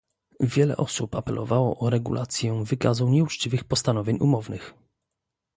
Wiele osób apelowało o regulację wykazu nieuczciwych postanowień umownych